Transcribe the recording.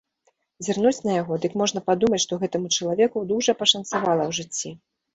Зірнуць на яго, дык можна падумаць, што гэтаму чалавеку дужа пашанцавала ў жыцці.